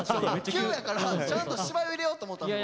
急やからちゃんと芝居を入れようと思ったの。